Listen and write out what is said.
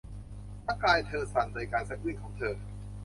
ทั้งกายเธอสั่นโดยการสะอื้นของเธอ